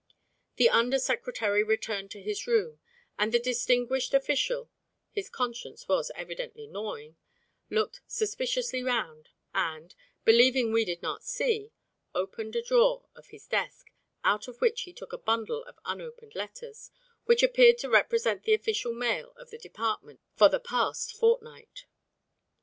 The Under Secretary returned to his room, and the distinguished official (his conscience was evidently gnawing) looked suspiciously round and, believing we did not see, opened a drawer of his desk, out of which he took a bundle of unopened letters which appeared to represent the official mail of the department for the past fortnight.